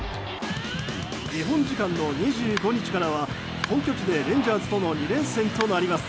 日本時間の２５日からは本拠地でレンジャーズとの２連戦となります。